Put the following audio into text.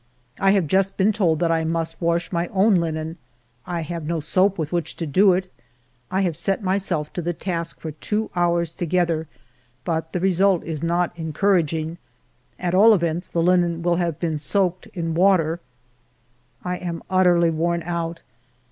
I have just been told that I must wash my own linen. I have no soap with which to do it. I have set myself to the task for two hours together, but the result is not encouraging. At all events, the linen will have been soaked in water. I am utterly worn out.